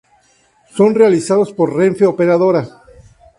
Son realizados por Renfe Operadora.